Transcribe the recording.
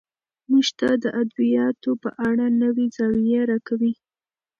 موږ ته د ادبياتو په اړه نوې زاويه راکوي